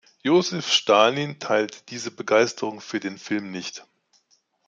Josef Stalin teilte diese Begeisterung für den Film nicht.